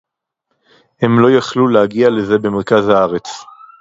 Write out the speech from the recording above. הם לא יכלו להגיע לזה במרכז הארץ